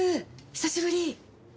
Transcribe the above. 久しぶり。